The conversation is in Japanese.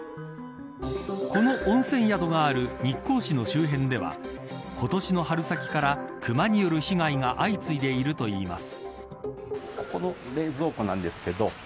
この温泉宿がある日光市の周辺では今年の春先からクマによる被害が相次いでいるといいます。